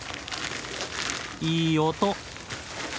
いい音。